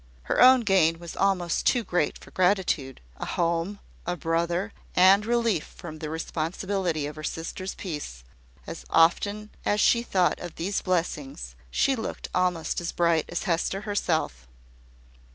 Her own gain was almost too great for gratitude: a home, a brother, and relief from the responsibility of her sister's peace as often as she thought of these blessings, she looked almost as bright as Hester herself.